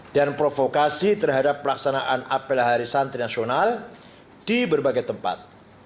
dan provokasi terhadap pelaksanaan apel hari santri nasional di berbagai tempat